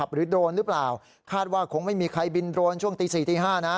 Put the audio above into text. โดรนหรือเปล่าคาดว่าคงไม่มีใครบินโดรนช่วงตี๔ตี๕นะ